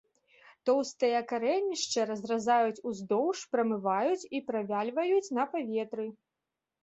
Тоўстыя карэнішчы разразаюць уздоўж, прамываюць і правяльваюць на паветры.